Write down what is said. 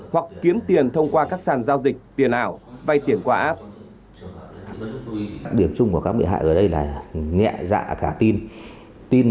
hoặc kiếm tiền thông qua các sàn giao dịch tiền ảo vay tiền qua app